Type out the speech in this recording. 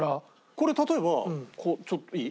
これ例えばちょっといい？